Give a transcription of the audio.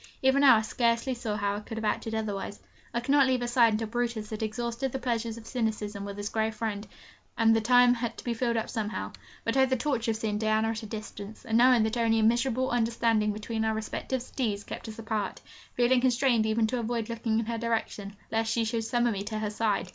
Even now I scarcely see how I could have acted otherwise: I could not leave her side until Brutus had exhausted the pleasures of cynicism with his grey friend, and the time had to be filled up somehow. But, oh, the torture of seeing Diana at a distance, and knowing that only a miserable misunderstanding between our respective steeds kept us apart, feeling constrained even to avoid looking in her direction, lest she should summon me to her side!